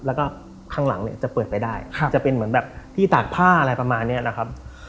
แล้วก็ข้างหลังเนี่ยจะเปิดไปได้จะเป็นเหมือนแบบที่ตากผ้าอะไรประมาณนี้นะครับ